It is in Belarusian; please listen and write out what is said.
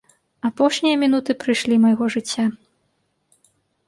Апошнія мінуты прыйшлі майго жыцця.